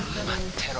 てろ